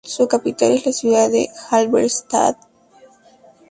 Su capital es la ciudad de Halberstadt.